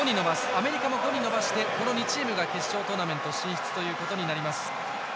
アメリカも５に伸ばしてこの２チームが決勝トーナメント進出ということになります。